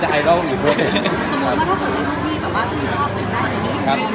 พี่น้องเป็นใคร